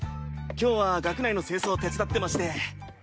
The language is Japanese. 今日は学内の清掃を手伝ってまして。